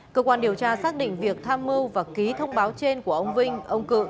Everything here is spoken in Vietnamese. cơ quan điều tra xác định việc tham mưu và ký thông báo trên của ông vinh ông cự